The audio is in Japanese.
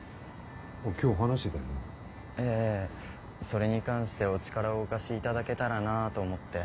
それに関してお力をお貸し頂けたらなと思って。